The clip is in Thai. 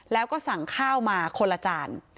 แล้วก็สั่งข้าวมาคนละจาน